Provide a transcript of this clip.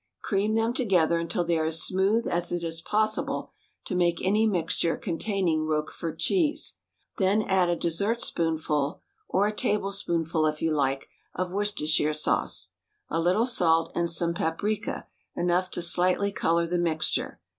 Cream them together until they are as smooth as it is possible to make any mixture contain ing Roquefort cheese. Then add a dessertspoonful — or a tablespoonful, if you like — of Worcestershire sauce. A little salt, and some paprika, enough to slightly color the mixture.